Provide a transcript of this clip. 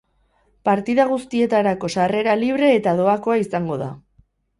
Partida guztietarako sarrera libre eta doakoa izango da.